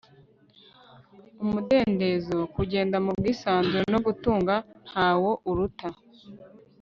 umudendezo - kugenda mu bwisanzure no gutunga ntawo uruta